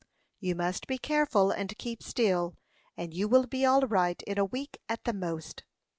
"You must be careful, and keep still; and you will be all right in a week, at the most."